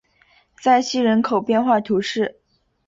塞西人口变化图示